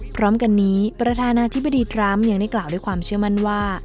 พร้อมกันนี้ประธานาธิบดีทรัมป์ยังได้กล่าวด้วยความเชื่อมั่นว่า